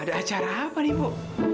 ada acara apa nih bu